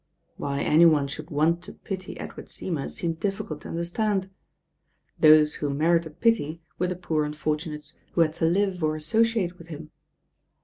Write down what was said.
Why any one should want to pity Edward Seymour seemed difficult to understand. Those who merited pity were the poor unfortunates who had to live or associate with him.